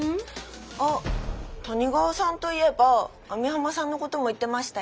あっ谷川さんといえば網浜さんのことも言ってましたよ。